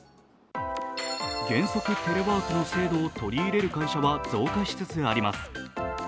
原則テレワークの制度を取り入れる会社は増加しつつあります。